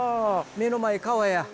目の前川や。